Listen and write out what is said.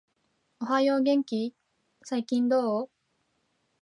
おはよう、元気ー？、最近どう？？